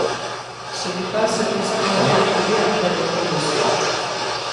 Ce n'est pas ce qu'on s'attendrait à trouver après l'Holocauste.